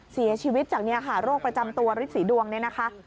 เสียชีวิตจากเนี่ยค่ะโรคประจำตัวฤทธีดวงเนี่ยนะคะ